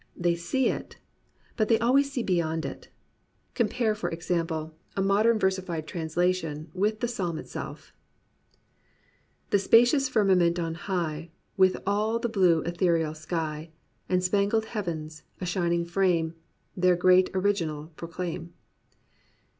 They see it, but they always see beyond it. Com pare, for example, a modern versified translation with the psalm itself: The spacious firmament on high. With all the blue ethereal sky And spangled heavens, a shining frame. Their Great Original proclaim.